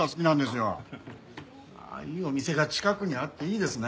いいお店が近くにあっていいですね。